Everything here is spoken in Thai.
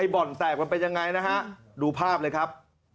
บ่อนแตกมันเป็นยังไงนะฮะดูภาพเลยครับ